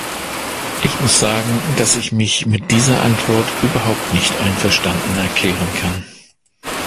Ich muss sagen, dass ich mich mit dieser Antwort überhaupt nicht einverstanden erklären kann.